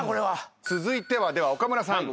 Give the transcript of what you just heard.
続いてはでは岡村さん。